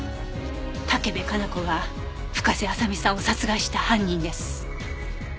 武部可奈子が深瀬麻未さんを殺害した犯人です。